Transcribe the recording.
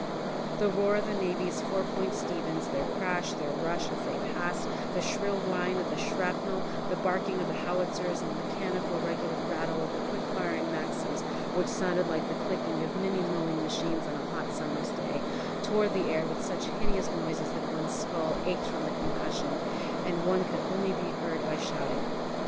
The roar of the navy's Four Point Sevens, their crash, their rush as they passed, the shrill whine of the shrapnel, the barking of the howitzers, and the mechanical, regular rattle of the quick firing Maxims, which sounded like the clicking of many mowing machines on a hot summer's day, tore the air with such hideous noises that one's skull ached from the concussion, and one could only be heard by shouting.